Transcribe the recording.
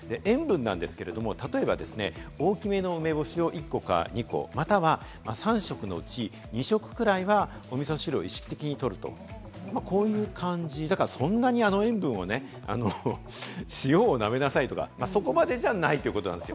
塩分ですけれど、例えば大きめの梅干しを１個か２個、または３食のうち２食くらいは、おみそ汁を意識的にとると、こういう感じ、そんなに塩分をね、塩をなめなさいとか、そこまでじゃないってことなんです。